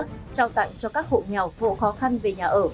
trao tặng cho các hộ nghèo hộ khó khăn về nhà ở